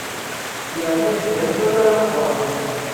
Yerna nekk d amyurar ameqqran.